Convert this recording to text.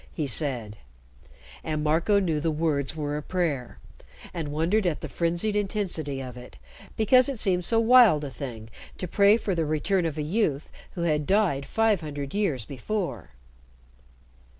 he said, and Marco knew the words were a prayer, and wondered at the frenzied intensity of it, because it seemed so wild a thing to pray for the return of a youth who had died five hundred years before.